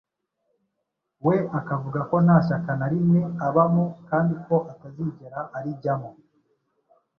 We akavuga ko nta shyaka na rimwe abamo kandi ko atazigera arijyamo,